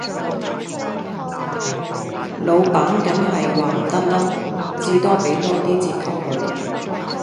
老闆梗係話唔得啦，至多俾多 d 折頭佢